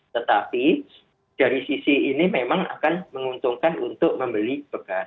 tetapi dari sisi ini memang akan menguntungkan untuk membeli bekas